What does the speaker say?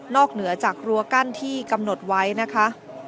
เหนือจากรั้วกั้นที่กำหนดไว้นะคะ